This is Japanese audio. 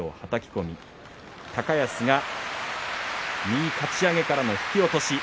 高安が右かち上げからの引き落とし。